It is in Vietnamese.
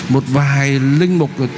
một vài linh mục